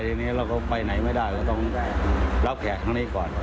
ทีนี้เราก็ไปไหนไม่ได้ก็ต้องรับแขกตรงนี้ก่อน